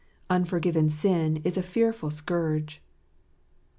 Unforgiven sin is a fearful scourge.